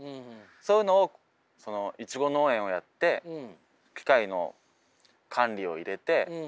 そういうのをいちご農園をやって機械の管理を入れて。